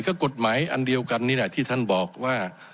ก็กฎหมายอันเดียวกันนี่แหละที่ท่านบอกว่า